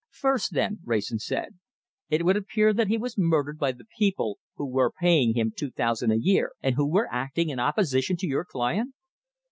"First, then," Wrayson said, "it would appear that he was murdered by the people who were paying him two thousand a year, and who were acting in opposition to your client!"